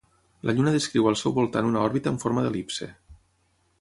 La Lluna descriu al seu voltant una òrbita en forma d'el·lipse.